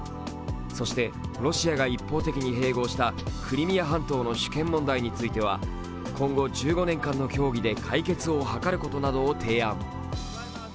そしてロシアが一方的に併合したクリミア半島の主権問題については今後１５年間の協議で解決を図ることなどを提案。